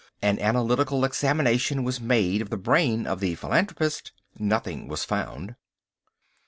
An analytical examination was made of the brain of the philanthropist. Nothing was found.